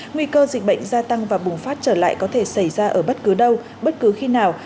nguy cơ dịch bệnh gia tăng và bùng phát trở lại có thể xảy ra ở bất cứ đâu bất cứ khi nào